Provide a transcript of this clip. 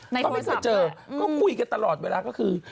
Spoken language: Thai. ในโทยสอบด้วยอืมต้องไปเจอคุยกันตลอดเวลาก็คือ